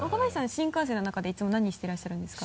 新幹線の中でいつも何してらっしゃるんですか？